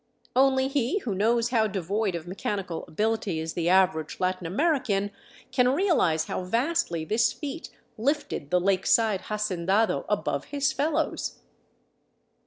Only he who knows how devoid of mechanical ability is the average Latin American can realize how vastly this feat lifted the lake side hacendado above his fellows.